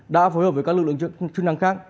đã phối hợp với các lực lượng chức năng khác